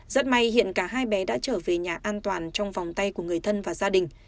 rất may hiện cả hai bé đã trở về nhà an toàn trong vòng tay của người thân và gia đình